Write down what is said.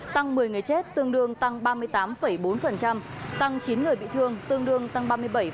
tăng một mươi người chết tương đương tăng ba mươi tám bốn tăng chín người bị thương tương đương tăng ba mươi bảy